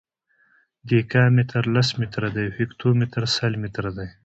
دیکا متر لس متره دی او هکتو متر سل متره دی.